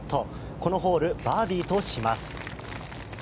このホールバーディーとします。